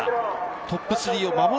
トップ３を守る